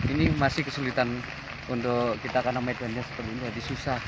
ini masih kesulitan untuk kita karena medannya seperti ini jadi susah